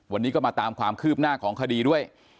วันนี้ก็มาตามความคืบหน้าของคดีด้วย